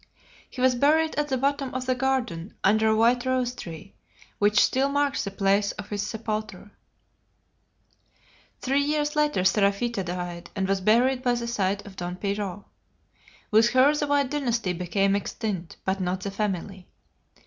He was buried at the bottom of the garden under a white rose tree, which still marks the place of his sepulture. Three years later Seraphita died, and was buried by the side of Don Pierrot. With her the White Dynasty became extinct, but not the family.